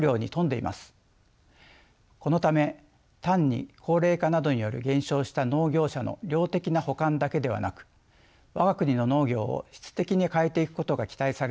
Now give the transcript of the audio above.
このため単に高齢化などにより減少した農業者の量的な補完だけではなく我が国の農業を質的に変えていくことが期待される存在でもあります。